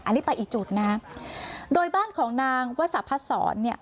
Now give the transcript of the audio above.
อันนี้ไปอีกจุดนะฮะโดยบ้านของนางวสะพัดศรเนี่ย